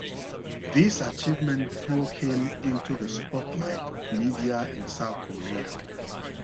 This achievement threw him into the spotlight of media in South Korea.